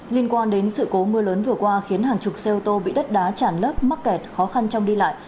liên quan đến sự cố mưa lớn vừa qua khiến hàng chục xe ô tô bị đất đá chản lấp mắc kẹt khó khăn trong đi lại